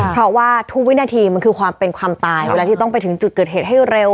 เพราะว่าทุกวินาทีมันคือความเป็นความตายเวลาที่ต้องไปถึงจุดเกิดเหตุให้เร็ว